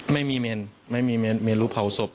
ไม่มีเมนมีรูปเผาศพ